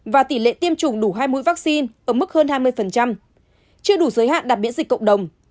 và tỷ lệ tiêm chủng đủ hai mũi vaccine ở mức hơn hai mươi chưa đủ giới hạn đặt miễn dịch cộng đồng